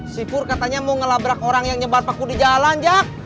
si pur katanya mau ngelabrak orang yang nyebat paku di jalan jak